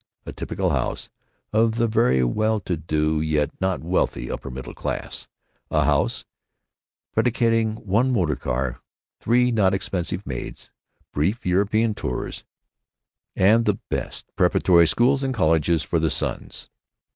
A typical house of the very well to do yet not wealthy "upper middle class"; a house predicating one motor car, three not expensive maids, brief European tours, and the best preparatory schools and colleges for the sons.